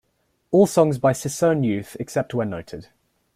All songs by Ciccone Youth, except where noted.